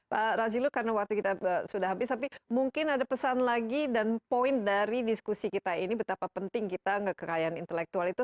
pak razilo karena waktu kita sudah habis tapi mungkin ada pesan lagi dan poin dari diskusi kita ini betapa penting kita kekayaan intelektual itu